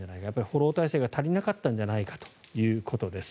フォロー体制が足りなかったんじゃないかということです。